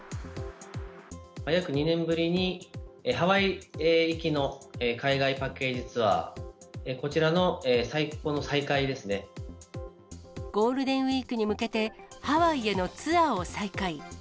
約２年ぶりにハワイ行きの海外パッケージツアー、こちらの再ゴールデンウィークに向けて、ハワイへのツアーを再開。